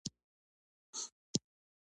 مرثیه نظمونه د نظم یو ډول دﺉ.